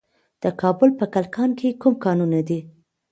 د کابل په کلکان کې کوم کانونه دي؟